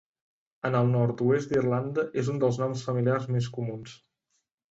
En el nord-oest d'Irlanda és un dels noms familiars més comuns.